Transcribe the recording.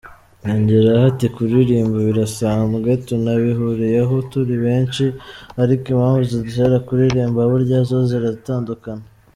Yongeraho ati “Kuririmba birasanzwe, tunabihuriyeho turi benshi, ariko impamvu zidutera kuririmba burya zo ziratandukana.